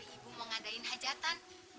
ibu mau ngadain hajatan